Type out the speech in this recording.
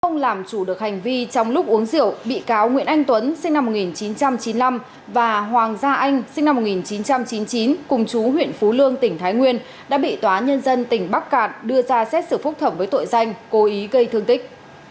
ông làm chủ được hành vi trong lúc uống rượu bị cáo nguyễn anh tuấn sinh năm một nghìn chín trăm chín mươi năm và hoàng gia anh sinh năm một nghìn chín trăm chín mươi chín cùng chú huyện phú lương tỉnh thái nguyên đã bị tòa nhân dân tỉnh bắc cạn đưa ra xét xử phúc thẩm với tội danh cố ý gây thương tích